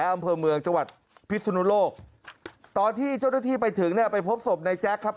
อำเภอเมืองจังหวัดพิศนุโลกตอนที่เจ้าหน้าที่ไปถึงเนี่ยไปพบศพในแจ๊คครับ